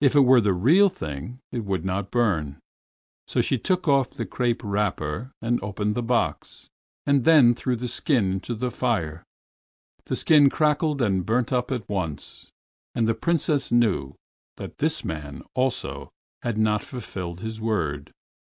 If it were the real thing it would not burn. So she took off the crape wrapper and opened the box, and then threw the skin into the fire. The skin crackled and burnt up at once, and the Princess knew that this man also had not fulfilled his word.